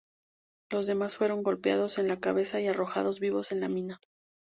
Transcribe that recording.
Los demás fueron golpeados en la cabeza y arrojados vivos en la mina.